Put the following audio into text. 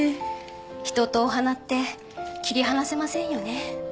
人とお花って切り離せませんよね。